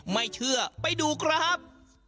ไม่เชื่อไปดูครับ